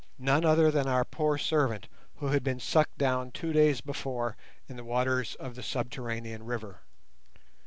None other than our poor servant who had been sucked down two days before in the waters of the subterranean river.